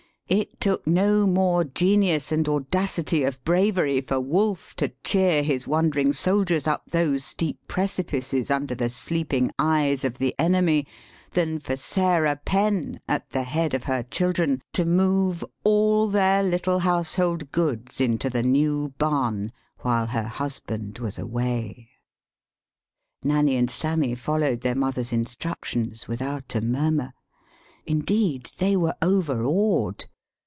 It took no more genius and audacity of bravery for Wolfe to cheer his wondering soldiers up those steep precipices, under the sleeping eyes of the enemy, than for Sarah Penn, at the head of her children, to move all their little household goods into the new barn while her husband was away. [Nanny and Sammy followed their mother's instructions without a murmur; indeed, they 172 THE SHORT STORY were overawed.